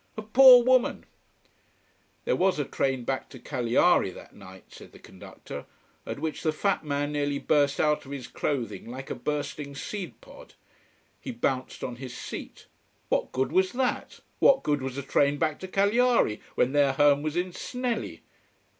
A poor woman There was a train back to Cagliari that night, said the conductor, at which the fat man nearly burst out of his clothing like a bursting seed pod. He bounced on his seat. What good was that? What good was a train back to Cagliari, when their home was in Snelli!